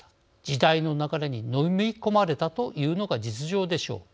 時代の流れに飲み込まれたというのが実情でしょう。